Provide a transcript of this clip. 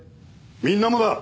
みんなもだ。